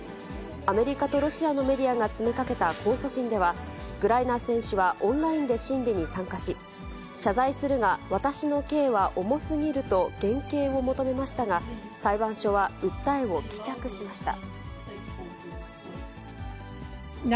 アメリカとロシアのメディアが詰めかけた控訴審では、グライナー選手はオンラインで審理に参加し、謝罪するが、私の刑は重すぎると減刑を求めましたが、裁判所は訴えを棄却しました。